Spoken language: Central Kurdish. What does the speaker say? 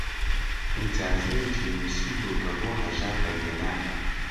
ئیجازەیەکی نووسیبوو کە بۆ هەژار قەیدێ ناکا